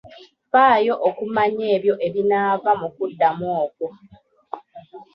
Faayo okumanya ebyo ebinaava mu kuddamu okwo.